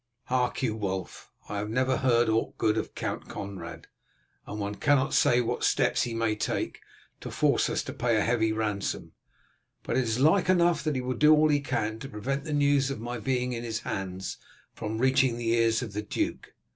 Hark you, Wulf; I have never heard aught good of Count Conrad, and one cannot say what steps he may take to force us to pay a heavy ransom, but it is like enough that he will do all he can to prevent the news of my being in his hands from reaching the ears of the duke.